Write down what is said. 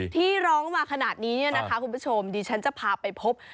ที่ร้องมาขนาดนี้เนี่ยนะคะคุณผู้ชมดิฉันจะพาไปพบ